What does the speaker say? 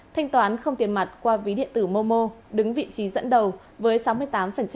thanh toán không tiền mặt qua ví điện tử momo đứng vị trí dẫn đầu với sáu mươi tám